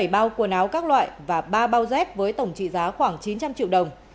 bảy bao quần áo các loại và ba bao dép với tổng trị giá khoảng chín trăm linh triệu đồng